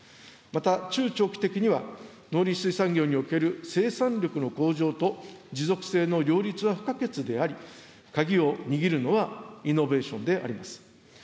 また、中長期的には、農林水産業における生産力の向上と持続性の両立は不可欠であり、鍵を握るのはイノベーションであります。